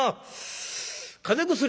風邪薬